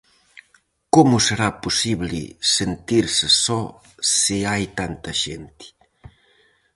Como será posible sentirse só se hai tanta xente?